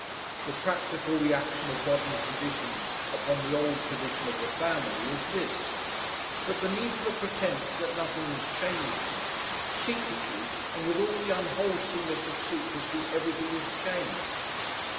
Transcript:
The practical reaction of modern conditions upon the old tradition of the family is this: that beneath the pretence that nothing is changing, secretly and with all the unwholesomeness of secrecy everything is changed.